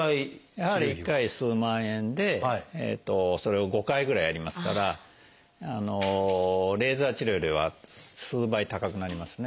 やはり１回数万円でそれを５回ぐらいやりますからレーザー治療よりは数倍高くなりますね。